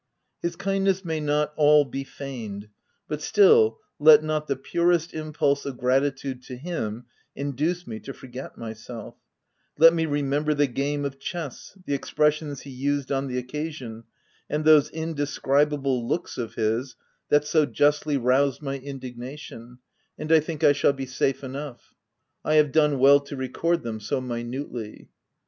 His kindness may not all be feigned, but still, let not the purest im pulse of gratitude to him, induce me to forget myself ; let me remember the game of chess, the expressions he used on the occasion, and those indescribable looks of his, that so justly roused my indignation, and I think I shall be 306 THE TENANT safe enough. I have done well to record them so minutely.